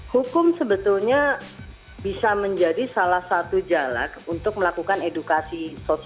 hukum sebetulnya bisa menjadi salah satu jalak untuk melakukan edukasi sosial